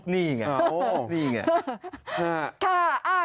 นี่ไงนี่ไง